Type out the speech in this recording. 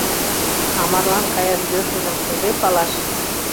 — А марлан каяш йӧршыжым кузе палаш?